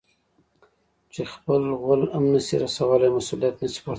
چې خپل غول هم نه شي رسولاى؛ مسؤلیت نه شي پورته کولای.